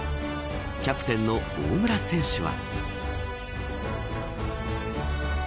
キャプテンの大村選手は。